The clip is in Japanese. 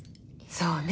そうね。